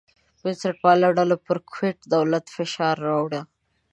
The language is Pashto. بنسټپالو ډلو پر کویت دولت فشار راوړی.